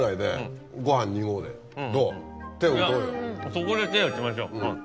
そこで手を打ちましょう。